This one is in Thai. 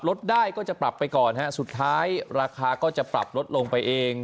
ลดได้ก็จะปรับไปก่อนฮะสุดท้ายราคาก็จะปรับลดลงไปเอง